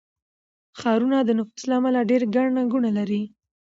ښارونه د نفوس له امله ډېر ګڼه ګوڼه لري.